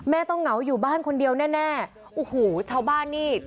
ต้องเหงาอยู่บ้านคนเดียวแน่แน่โอ้โหชาวบ้านนี่